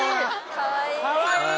［かわいい。］